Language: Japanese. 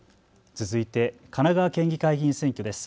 続いて神奈川県議会議員選挙です。